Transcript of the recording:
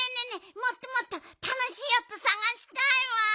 もっともっとたのしいおとさがしたいわ。